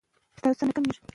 دا سند تر زاړه ښه دی.